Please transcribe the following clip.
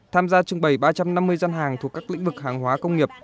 tham gia trưng bày ba trăm năm mươi gian hàng thuộc các lĩnh vực hàng hóa công nghiệp